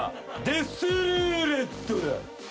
デスルーレット？